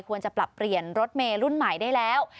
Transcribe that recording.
ควรจะปรับเปลี่ยนรถเมย์รุ่นใหม่ได้แล้ว